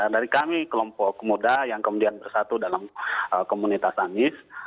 dari kami kelompok muda yang kemudian bersatu dalam komunitas anies